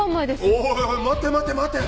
おいおい待て待て待て！